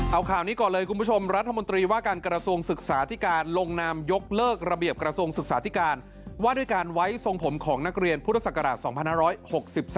เอาข่าวนี้ก่อนเลยคุณผู้ชมรัฐมนตรีว่าการกระทรวงศึกษาที่การลงนามยกเลิกระเบียบกระทรวงศึกษาธิการว่าด้วยการไว้ทรงผมของนักเรียนพุทธศักราช๒๕๖๓